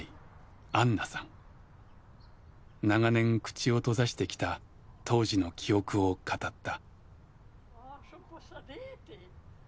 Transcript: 長年口を閉ざしてきた当時の記憶を語った。